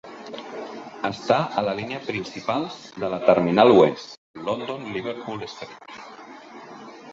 Està a la línia principals de la terminal oest, London Liverpool Street.